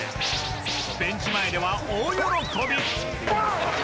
ベンチ前では大喜び！